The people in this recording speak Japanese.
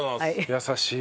優しい。